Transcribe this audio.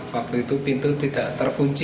waktu itu pintu tidak terkunci